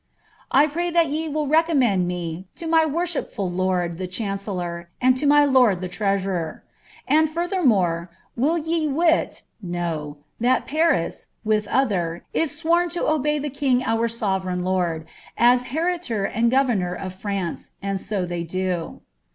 " I pray that ye will recommend me to my worshipful lord the chancellor, ■od to my lord the treasurer. And, furthermore, will ye wit (know) that Paris, with other, is sworn to obey the king our sovereign lord, as heritcr and governor of France— and so they do.